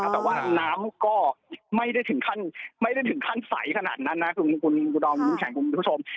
แต่ว่าน้ำก็ไม่ได้ไม่ได้ถึงขั้นใสขนาดนั้นนะคุณดรวิวจังคุณผู้ชม